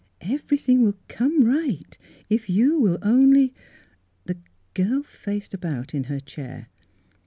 Everything will come right, if you will only —" The girl faced about in her chair.